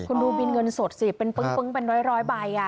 คุณดูบินเงินสดสิเป็นปึ๊งปึ๊งเป็นร้อยร้อยใบอ่ะ